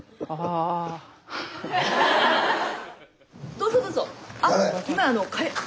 どうぞどうぞ。